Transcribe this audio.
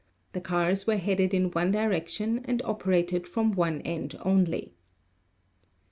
The cars were headed in one direc tion and operated from one end only.